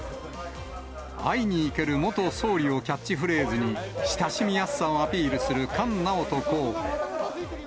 会いに行ける元総理をキャッチフレーズに、親しみやすさをアピールする菅直人候補。